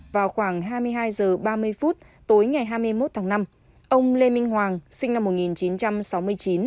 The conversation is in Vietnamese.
vào khoảng hai mươi hai h ba mươi phút tối ngày hai mươi một tháng năm ông lê minh hoàng sinh năm một nghìn chín trăm sáu mươi chín